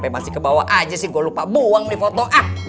masih ke bawah aja sih gua lupa buang foto